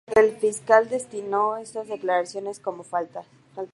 El fiscal desestimó estas declaraciones como falsas.